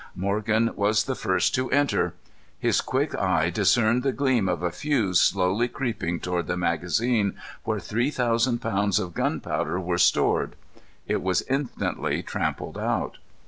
Morgan was the first to enter. His quick eye discerned the gleam of a fuse slowly creeping toward the magazine, where three thousand pounds of gunpowder were stored. It was instantly trampled out.